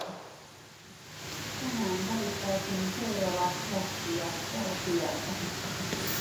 Tänään valittaisiin seuraava lähtijä varasijalta.